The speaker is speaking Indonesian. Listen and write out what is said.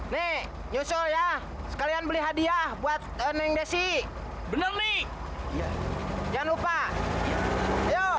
nih nyusul ya sekalian beli hadiah buat nengdesi bener nih jangan lupa yo yo